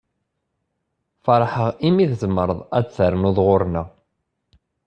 Feṛḥeɣ i mi tzemreḍ ad d-ternuḍ ɣuṛ-nneɣ.